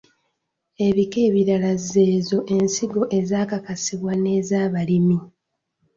Ebika ebirala z’ezo ensigo ezaakakasibwa n’ez’abalimi.